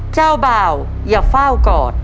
เจ้าบ่าวอย่าเฝ้ากอด